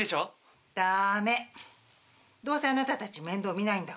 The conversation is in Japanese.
駄目どうせあなたたち面倒見ないんだから。